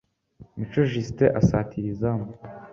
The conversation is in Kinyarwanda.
Mico Justin asatira izamu